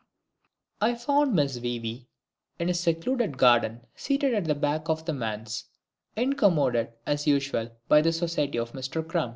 I found Miss WEE WEE in a secluded garden seat at the back of the Manse, incommoded, as usual, by the society of Mister CRUM.